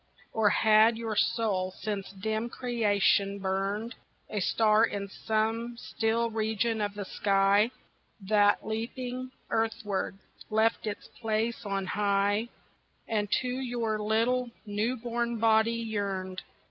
Or had your soul since dim creation burned, A star in some still region of the sky, That leaping earthward, left its place on high And to your little new born body yearned?